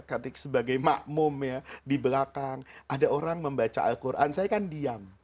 ketika sebagai makmum ya di belakang ada orang membaca al quran saya kan diam